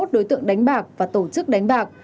ba trăm năm mươi một đối tượng đánh bạc và tổ chức đánh bạc